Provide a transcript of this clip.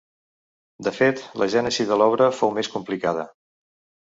De fet la gènesi de l'obra fou més complicada.